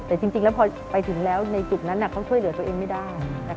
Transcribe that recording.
แต่จริงแล้วพอไปถึงแล้วในจุดนั้นเขาช่วยเหลือตัวเองไม่ได้